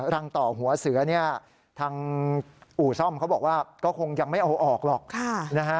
รังต่อหัวเสือเนี่ยทางอู่ซ่อมเขาบอกว่าก็คงยังไม่เอาออกหรอกนะฮะ